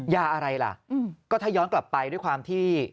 ยาอะไรล่ะก็ถ้าย้อนกลับไปด้วยความที่